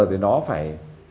thì nó phải